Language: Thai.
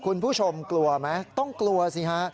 คุณผู้ชมกลัวไหมต้องกลัวสิฮะ